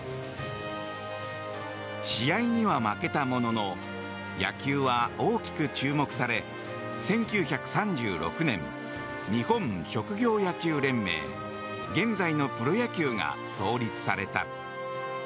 試合には負けたものの野球は大きく注目され１９３６年、日本職業野球連盟現在のプロ野球が創立された。